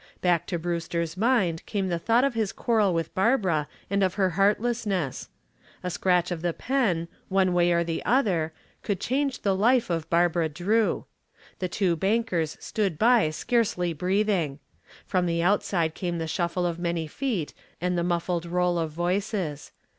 Back to Brewster's mind came the thought of his quarrel with Barbara and of her heartlessness. A scratch of the pen, one way or the other, could change the life of Barbara Drew. The two bankers stood by scarcely breathing. From the outside came the shuffle of many feet and the muffled roll of voices.